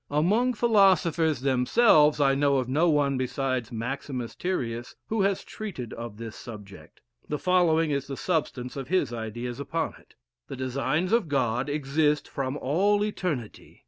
Among philosophers themselves, I know of no one besides Maximus Tyrius who has treated of this subject. The following is the substance of his ideas upon it: The designs of God exist from all eternity.